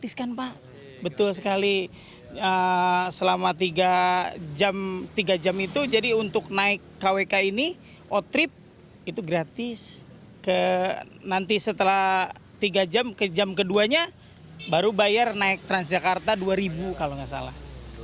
setelah tiga jam ke jam keduanya baru bayar naik transjakarta rp dua kalau tidak salah